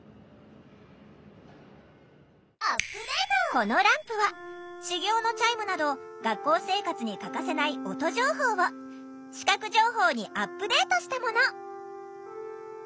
このランプは始業のチャイムなど学校生活に欠かせない音情報を視覚情報にアップデートしたもの。